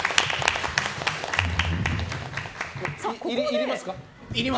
いりますか？